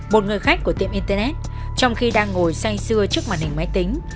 một người khách của tiệm internet trong khi đang ngồi say xưa trước màn hình máy tính